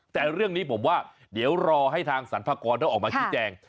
แต่เรื่องนี้ผมว่าเดี๋ยวรอให้ทางสรรพากรต้องออกมาชี้แจง